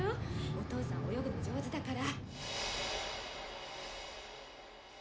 お父さん泳ぐの上手だから。